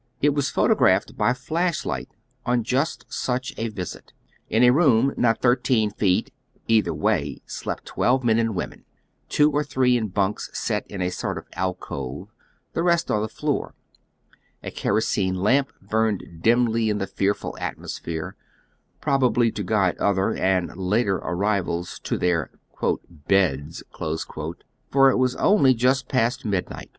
It was photographed by flash light oil just such a visit. In a room not thirteen feet either way slept twelve men and women, two or three in bunks set in a sort of alcove, the rest on tlie floor, A kerosene lamp burned dimly in the fearful atmos phere, probably to guide other and later arrivals to their " beds," for it was only just past midnight.